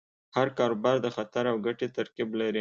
هر کاروبار د خطر او ګټې ترکیب لري.